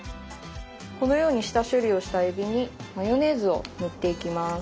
このように下処理をしたえびにマヨネーズを塗っていきます。